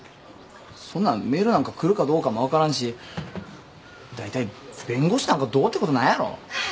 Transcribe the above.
そんなんメールなんか来るかどうかも分からんしだいたい弁護士なんかどうってことないやろ。